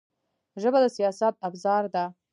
ژبه د سیاست ابزار ده